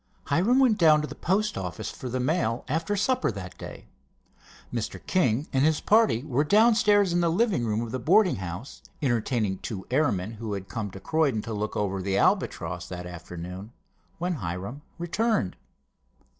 Hiram went down to the post office for the mail after supper that day. Mr. King and his party were downstairs in the living room of the boarding house, entertaining two airmen who had come to Croydon to look over the Albatross that afternoon, when Hiram returned.